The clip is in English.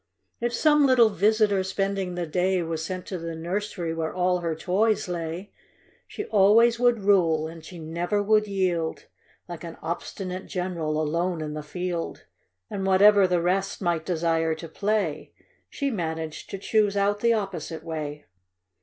If some little visitor, spending the day, "Was sent to the nursery where all her toys lay, She always would rule, and she never would yield, Like an obstinate general alone in the field ; And whatever the rest might desire to play, She managed to choose out the opposite way.